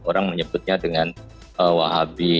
orang menyebutnya dengan wahhabi